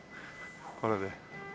これで。